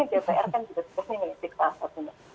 jpr kan juga juga ngelitik saat saat ini